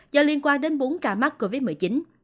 do liên quan đến bốn ca mắc covid một mươi chín